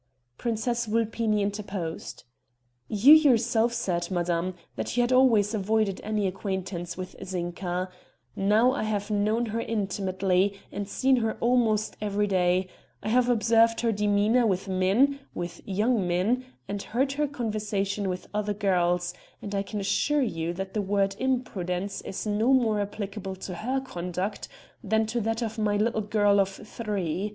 Princess Vulpini interposed: "You yourself said, madame, that you had always avoided any acquaintance with Zinka; now I have known her intimately, and seen her almost every day; I have observed her demeanor with men with young men and heard her conversation with other girls, and I can assure you that the word impudence is no more applicable to her conduct than to that of my little girl of three.